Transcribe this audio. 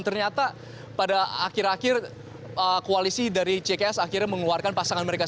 dan ternyata pada akhir akhir koalisi dari cks akhirnya mengeluarkan pasangan mereka